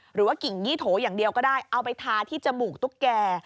หรือว่ากิ่งยี่โถอย่างเดียวก็ได้เอาไปทาที่จมูกตุ๊กแก่